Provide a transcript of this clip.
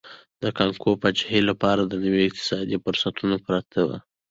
د کانګو پاچاهۍ لپاره نوي اقتصادي فرصتونه پراته وو.